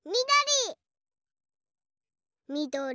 みどり！